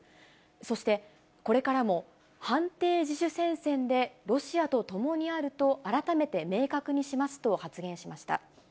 そしてこれからも、反帝自主戦線でロシアと共にあると改めて明確にしますと発言しました。